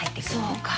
そうか。